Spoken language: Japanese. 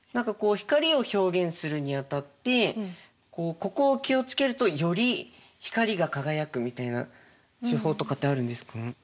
光を表現するにあたってここを気を付けるとより光が輝くみたいな手法とかってあるんですか？